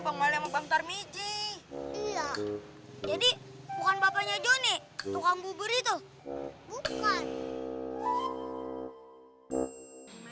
bang maliang bangtar miji jadi bukan bapaknya johnny tukang bubur itu bukan